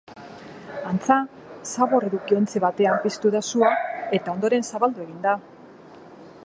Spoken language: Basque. Antza, zabor-edukiontzi batean piztu da sua eta ondoren zabaldu egin da.